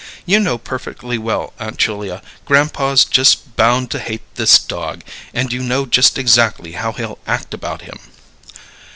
You know perfectly well, Aunt Julia, grandpa's just bound to hate this dog, and you know just exactly how he'll act about him."